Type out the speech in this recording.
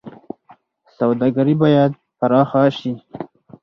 سوداګري باید پراخه شي